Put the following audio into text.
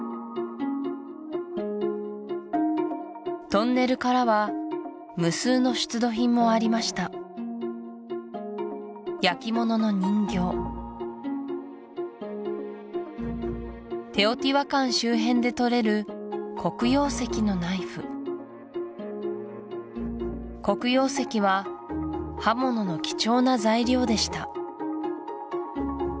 トンネルからは無数の出土品もありましたテオティワカン周辺で採れる黒曜石のナイフ黒曜石は刃物の貴重な材料でした